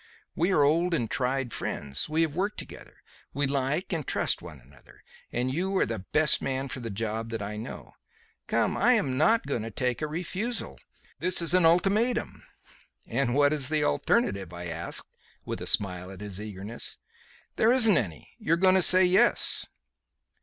We are old and tried friends; we have worked together; we like and trust one another, and you are the best man for the job that I know. Come; I am not going to take a refusal. This is an ultimatum." "And what is the alternative?" I asked with a smile at his eagerness. "There isn't any. You are going to say yes."